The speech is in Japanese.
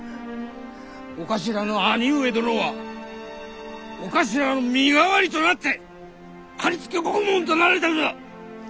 お頭の兄上殿はお頭の身代わりとなって磔獄門となられたのだ！